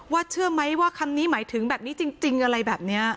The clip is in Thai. เชื่อไหมว่าคำนี้หมายถึงแบบนี้จริงอะไรแบบนี้